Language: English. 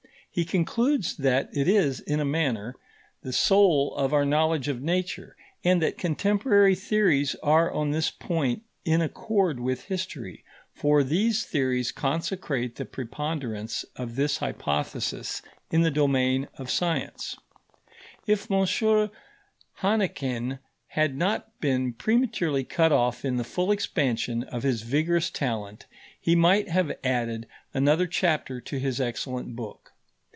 He concludes that it is, in a manner, the soul of our knowledge of Nature, and that contemporary theories are on this point in accord with history: for these theories consecrate the preponderance of this hypothesis in the domain of science. If M. Hannequin had not been prematurely cut off in the full expansion of his vigorous talent, he might have added another chapter to his excellent book.